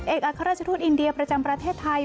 อัครราชทูตอินเดียประจำประเทศไทย